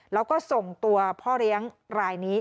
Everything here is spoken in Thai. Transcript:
แล้วก็ส่งตัวพ่อเลี้ยงรายนี้